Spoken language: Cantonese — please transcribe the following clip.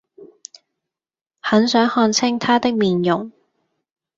很想看清他的面容